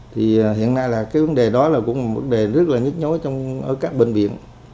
thì hiện nay là cái vấn đề đó là cũng một vấn đề rất là nhích nhối trong các bệnh viện